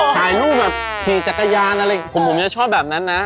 ถ่ายรูปแบบขี่จักรยานอะไรผมจะชอบแบบนั้นนะ